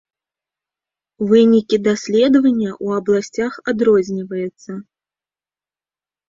Вынікі даследавання ў абласцях адрозніваецца.